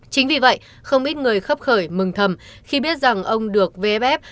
chính vì vậy không ít người khắp khởi mừng thầm khi biết rằng ông được vff